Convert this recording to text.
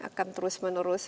akan terus menerus menerus